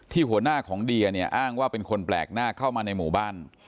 หัวหน้าของเดียเนี่ยอ้างว่าเป็นคนแปลกหน้าเข้ามาในหมู่บ้าน